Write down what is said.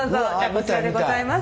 こちらでございます。